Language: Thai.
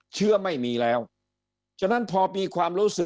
เชื้อไม่มีแล้ว